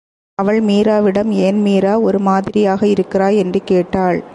அவள் மீராவிடம், ஏன் மீரா ஒரு மாதிரியாக இருக்கிறாய்? என்று கேட்டாள்.